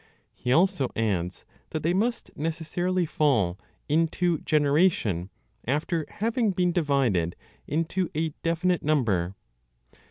He also adds that they must necessarily fall into generation after having been divided into a definite number.